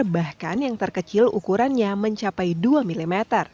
bahkan yang terkecil ukurannya mencapai dua mm